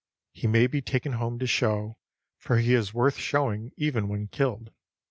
He may be taken home to show, for he is worth showing even when killed.